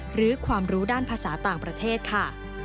หรือความรู้ด้านภาษาต่างประเทศค่ะ